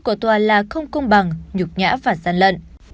của tòa là không công bằng nhục nhã và gian lận